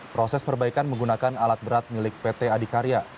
proses perbaikan menggunakan alat berat milik pt adikarya